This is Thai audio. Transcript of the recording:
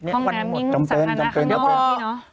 ห้องน้ำยังสั่งอันนั้นข้างนอก